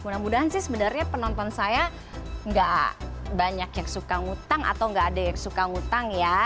mudah mudahan sih sebenarnya penonton saya nggak banyak yang suka ngutang atau nggak ada yang suka ngutang ya